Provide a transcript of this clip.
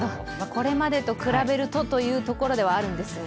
これまでと比べるとというところではあるんですが。